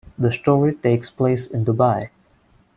The story takes place in Dubai.